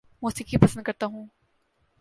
موسیقی پسند کرتا ہوں